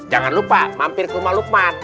jangan lupa mampir ke rumah lukman